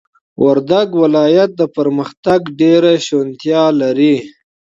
وردگ ولايت د پرمختگ ډېره شونتيا لري،